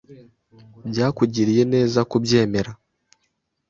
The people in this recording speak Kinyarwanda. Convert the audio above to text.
Byakugiriye neza kubyemera.